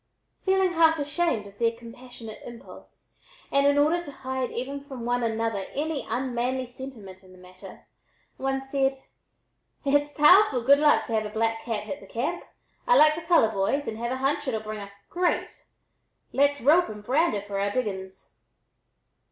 Feeling half ashamed of their compassionate impulse and in order to hide even from one another any unmanly sentiment in the matter, one said: "H'its powerful good luck to have a black cat hit the camp! I like the color, boys, and have a hunch it'll bring us great; let's rope and brand her for our diggins."